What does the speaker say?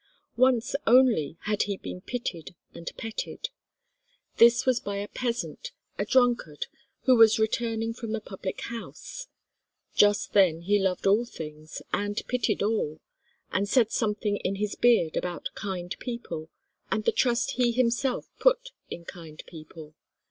Once only had he been pitied and petted. This was by a peasant, a drunkard, who was returning from the public house. Just then he loved all things, and pitied all, and said something in his beard about kind people, and the trust he himself put in kind people.